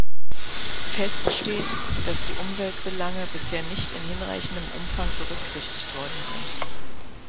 Fest steht, dass die Umweltbelange bisher nicht in hinreichendem Umfang berücksichtigt worden sind.